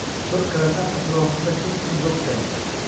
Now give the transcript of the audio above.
Bir qarasam, atrofimda hech kim yo‘qday.